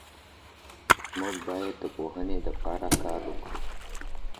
موږ بايد د پوهني دپاره کار وکړو.